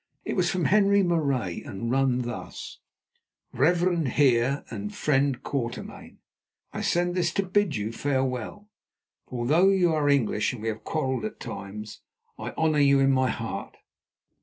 It was from Henri Marais, and ran thus:— "'REVEREND HEER AND FRIEND QUATERMAIN,—I send this to bid you farewell, for although you are English and we have quarrelled at times, I honour you in my heart.